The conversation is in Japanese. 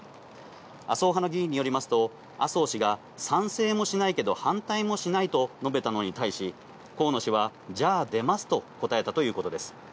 麻生派の議員によりますと、麻生氏が賛成もしないけど、反対もしないと述べたのに対し、河野氏は、じゃあ、出ますと答えたということです。